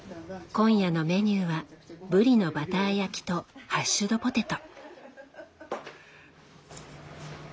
今夜のメニューはブリのバター焼きとハッシュドポテト。